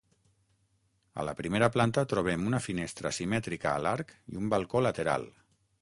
A la primera planta trobem una finestra simètrica a l'arc i un balcó lateral.